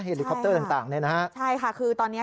เฮลิคอปเตอร์ต่างนี่นะครับใช่ค่ะคือตอนนี้